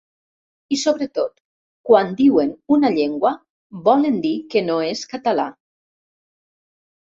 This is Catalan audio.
I, sobretot, quan diuen una llengua volen dir que no és català.